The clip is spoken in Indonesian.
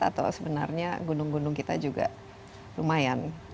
atau sebenarnya gunung gunung kita juga lumayan